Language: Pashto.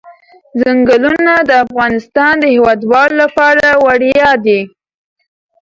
ځنګلونه د افغانستان د هیوادوالو لپاره ویاړ دی.